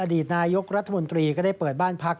ดีตนายกรัฐมนตรีก็ได้เปิดบ้านพัก